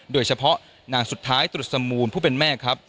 โดยเฉพาะนางสุดท้ายตรุษมูลผู้เป็นแม่ครับ